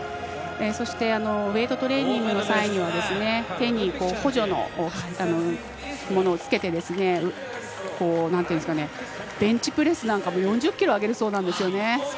そしてウェイトトレーニングの際は手に補助のものをつけてベンチプレスなんかも４０ｋｇ挙げるそうなんですよね。